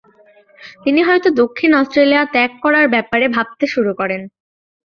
তিনি হয়তো দক্ষিণ অস্ট্রেলিয়া ত্যাগ করার ব্যাপারে ভাবতে শুরু করেন।